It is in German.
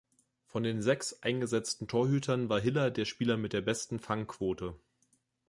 Von den sechs eingesetzten Torhütern war Hiller der Spieler mit der besten Fangquote.